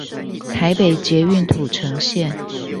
台北捷運土城線